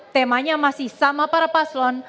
temanya masih sama para paslon